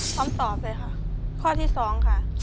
คำตอบเลยค่ะข้อที่๒ค่ะ